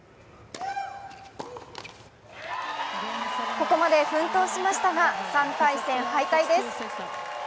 ここまで奮闘しましたが、３回戦敗退です。